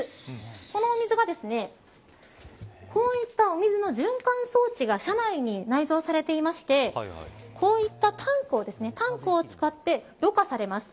この水がこういったお水の循環装置が車内に内蔵されていましてこういったタンクを使ってろ過されます。